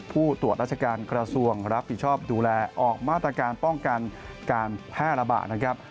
ผู้ตรวจราชการกระทรวงรับผิดชอบดูแลออกมาตรการป้องกันการแพร่ระบาดนะครับ